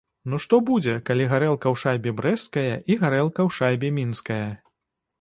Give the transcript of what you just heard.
Ну што будзе, калі гарэлка ў шайбе брэсцкая і гарэлка ў шайбе мінская?